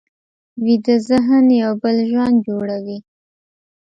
ویده ذهن یو بل ژوند جوړوي